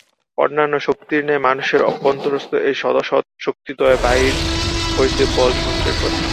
অন্যান্য শক্তির ন্যায় মানুষের অভ্যন্তরস্থ এই সদসৎ শক্তিদ্বয়ও বাহির হইতে বল সঞ্চয় করে।